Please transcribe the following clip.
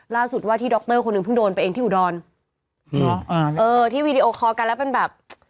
ล่าสุดว่าที่ดรคนหนึ่งเพิ่งโดนไปเองที่อุดรเออที่วีดีโอคอลกันแล้วเป็นแบบ